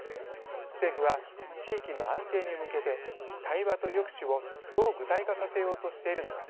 政府は地域の安定に向けて対話と抑止をどう具体化させようとしているのか。